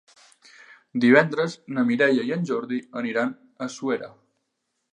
Divendres na Mireia i en Jordi aniran a Suera.